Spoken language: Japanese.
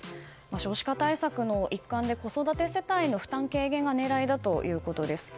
少子化対策の一環で子育て世代の負担軽減が狙いだということです。